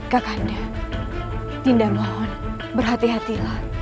kakanda tindak mohon berhati hatilah